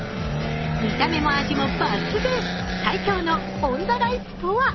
見た目も味も抜群、最強のオンザライスとは？